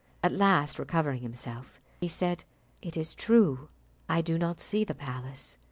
At last recovering himself, he said, "It is true, I do not see the palace.